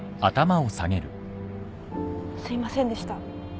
すいませんでした。